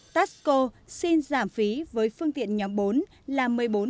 taxco xin giảm phí với phương tiện nhóm bốn là một mươi bốn hai mươi năm